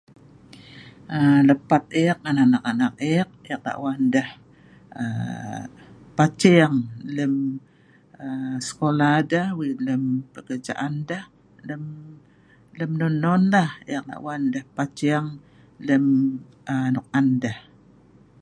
Aaa lepat ek ngan anak anak ek ek lah' wan deh aaa paceng lem aaa sekola deh, wei' lem pekejaan deh lem lem non non lah ek la' wan deh paceng lem aa nok an deh.